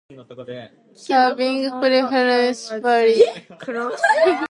Serving preferences vary.